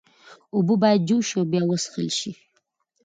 اوبه باید جوش شي او بیا وڅښل شي۔